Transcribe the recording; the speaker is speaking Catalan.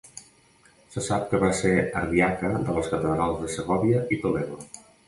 Se sap que va ser ardiaca de les catedrals de Segòvia i Toledo.